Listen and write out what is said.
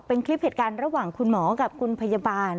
เป็นคลิปเหตุการณ์ระหว่างคุณหมอกับคุณพยาบาล